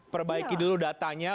perbaiki dulu datanya